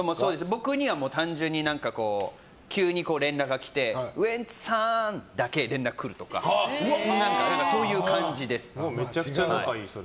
僕には単純に急に連絡が来てウエンツさん！だけ連絡が来るとかめちゃくちゃ仲いい。